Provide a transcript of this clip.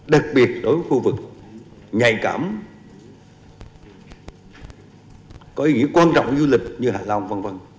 đặc biệt đối với khu vực nhạy cảm có ý nghĩa quan trọng du lịch như hạ long v v